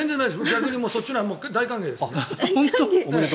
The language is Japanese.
逆にそっちのほうが大歓迎です。